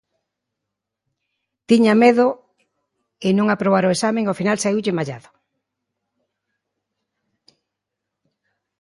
Tiña medo en non aprobar o exame e ao final saíulle mallado.